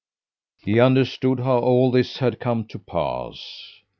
"He understood how all this had come to pass.